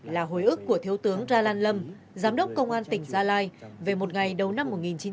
là hồi ức của thiếu tướng ra lan lâm giám đốc công an tỉnh gia lai về một ngày đầu năm một nghìn chín trăm bảy mươi năm